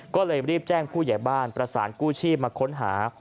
ก็เลยรีบแจ้งผู้ใหญ่บ้านประสานกู้ชีพมาค้นหา